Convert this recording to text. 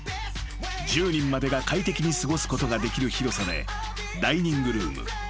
［１０人までが快適に過ごすことができる広さでダイニングルーム。